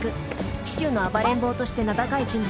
紀州の「暴れん坊」として名高い人物です。